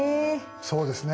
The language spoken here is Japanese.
そうですね